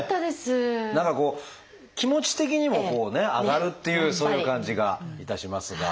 何かこう気持ち的にも上がるっていうそういう感じがいたしますが。